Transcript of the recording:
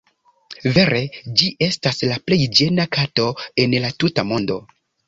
Vere ĝi estas la plej ĝena kato en la tuta mondo.